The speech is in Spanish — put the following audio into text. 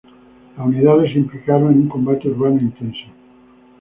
Las unidades se implicaron en un combate urbano intenso.